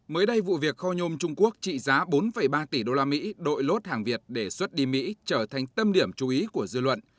mới đây vụ việc kho nhôm trung quốc trị giá bốn ba tỷ usd đội lốt hàng việt để xuất đi mỹ trở thành tâm điểm chú ý của dư luận